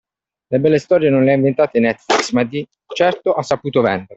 Le belle storie non le ha inventate Netflix, ma di certo ha saputo venderle.